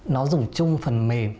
nó dùng chung phần mềm